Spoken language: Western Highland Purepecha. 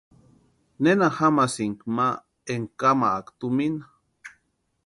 ¿Nena jamasínki ma énka kamaaka tumina?